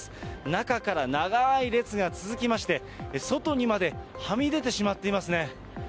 中から長い列が続きまして、外にまではみ出てしまっていますね。